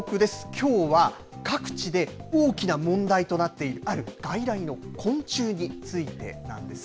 きょうは各地で大きな問題となっている、ある外来の昆虫についてなんです。